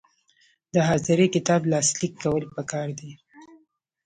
د حاضري کتاب لاسلیک کول پکار دي